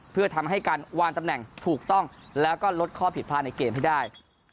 เพื่อทำให้การวางตำแหน่งถูกต้องแล้วก็ลดข้อผิดพลาดในเกมให้ได้